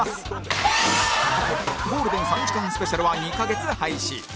ゴールデン３時間スペシャルは２カ月配信